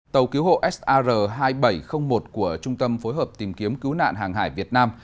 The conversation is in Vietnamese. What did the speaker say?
tàu cứu hộ sar hai nghìn bảy trăm linh một của trung tâm phối hợp tìm kiếm cứu nạn hàng hải việt nam